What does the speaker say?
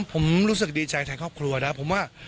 ผมรู้สึกดีใจในครอบครัวนะครับ